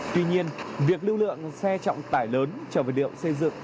tuy nhiên việc lưu lượng xe trọng tải lớn trở về điệu xây dựng